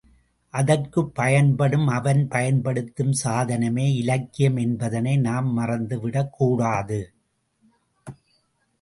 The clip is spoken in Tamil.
அதற்குப் பயன்படும் அவன் பயன்படுத்தும் சாதனமே இலக்கியம் என்பதனை நாம் மறந்துவிடக் கூடாது.